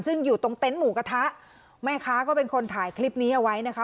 ซึ่งอยู่ตรงเต็นต์หมูกระทะแม่ค้าก็เป็นคนถ่ายคลิปนี้เอาไว้นะคะ